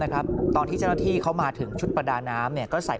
ตอนที่เจ้าหน้าที่เขามาถึงชุดประดาน้ำเนี่ยก็ใส่